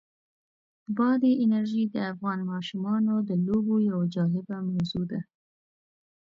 بادي انرژي د افغان ماشومانو د لوبو یوه جالبه موضوع ده.